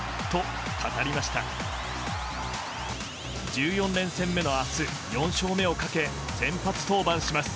１４連戦目の明日、４勝目をかけ先発登板します。